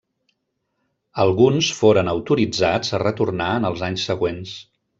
Alguns foren autoritzats a retornar en els anys següents.